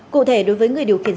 cụ thể đối với người điều khiển